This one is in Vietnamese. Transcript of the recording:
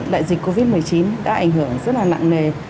đại dịch covid một mươi chín đã ảnh hưởng rất là nặng nề